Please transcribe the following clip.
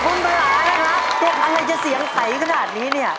คุณภาระนะครับเดี๋ยวทำไมจะเสียงใสขนาดนี้เนี่ย